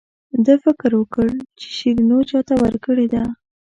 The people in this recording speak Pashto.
ده فکر وکړ چې شیرینو چاته ورکړې ده.